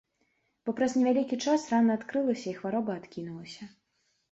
Бо праз невялікі час рана адкрылася і хвароба адкінулася.